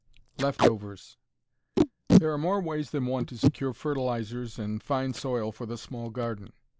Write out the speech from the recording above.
XI LEFT OVERS There are more ways than one to secure fertilizers and fine soil for the small garden.